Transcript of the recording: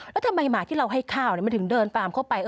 แล้วทำไมหมาที่เราให้ข้าวมันถึงเดินตามเข้าไป